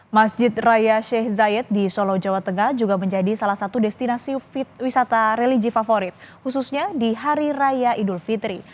masjid raya sheikh zayed di solo jawa tengah juga menjadi salah satu destinasi feed wisata religi favorit khususnya di hari raya idul fitri